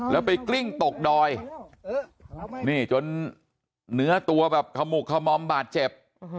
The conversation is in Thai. แล้วไปกลิ้งตกดอยนี่จนเนื้อตัวแบบขมุกขมอมบาดเจ็บ